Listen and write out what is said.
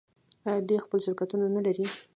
آیا دوی خپل شرکتونه نلري؟